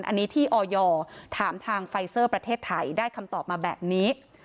อันนี้ที่ออยถามทางไฟเซอร์ประเทศไทยได้คำตอบมาแบบนี้